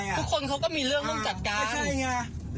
ทุกคนเขาก็มีเรื่องต้องจัดการ